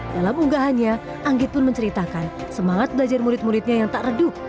dalam unggahannya anggit pun menceritakan semangat belajar murid muridnya yang tak redup